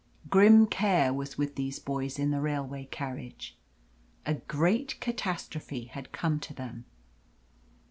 Grim Care was with these boys in the railway carriage. A great catastrophe had come to them.